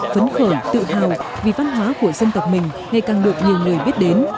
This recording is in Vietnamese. phấn khởi tự hào vì văn hóa của dân tộc mình ngày càng được nhiều người biết đến